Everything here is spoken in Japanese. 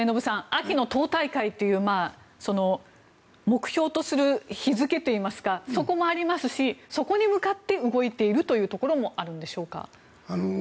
秋の党大会という目標とする日付といいますかそこもありますしそこに向かって動いているというところもあるんでしょうか。